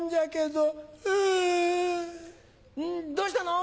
どうしたの？